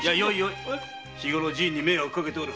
日ごろじぃに迷惑をかけておる。